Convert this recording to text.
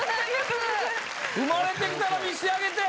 生まれてきたら見せてあげて。